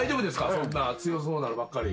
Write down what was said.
そんな強そうなのばっかり。